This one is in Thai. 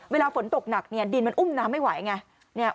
เวลาฝนตกหนักเนี่ยดินมันอุ้มน้ำไม่ไหวไง